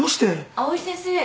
藍井先生。